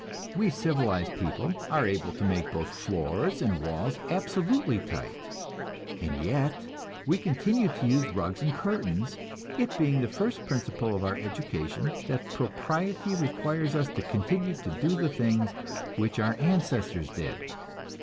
We civilized people are able to make both floors and walls absolutely tight, and yet we continue to use rugs and curtains, it being the first principle of our education that propriety requires us to continue to do the things which our ancestors did.